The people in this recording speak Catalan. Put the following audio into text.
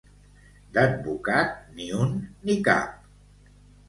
D'advocat, ni un ni cap.